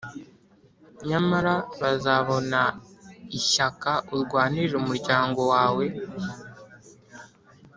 nyamara bazabona ishyaka urwanirira umuryango wawe,